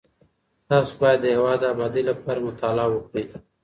تاسو بايد د هېواد د ابادۍ لپاره مطالعه وکړئ.